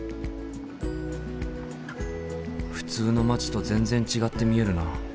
普通の街と全然違って見えるな。